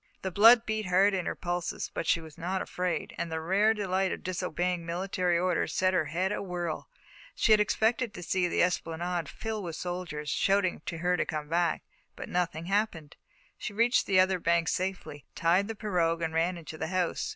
The blood beat hard in her pulses, but she was not afraid, and the rare delight of disobeying military orders set her head awhirl. She expected to see the esplanade fill with soldiers, shouting to her to come back, but nothing happened. She reached the other bank safely, tied the pirogue, and ran into the house.